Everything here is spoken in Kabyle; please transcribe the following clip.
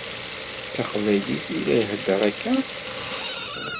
D taqbaylit i la iheddeṛ akka?